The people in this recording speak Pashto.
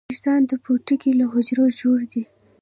ویښتان د پوټکي له حجرو جوړ دي